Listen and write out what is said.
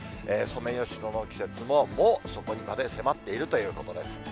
ソメイヨシノの季節も、もうそこにまで迫っているということです。